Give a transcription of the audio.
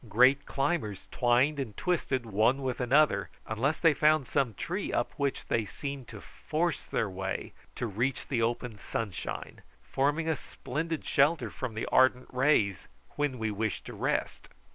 Great climbers twined and twisted one with another, unless they found some tree up which they seemed to force their way to reach the open sunshine, forming a splendid shelter from the ardent rays when we wished to rest.